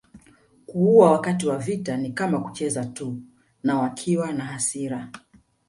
Kuua wakati wa vita ni kama kucheza tu na wakiwa na hasira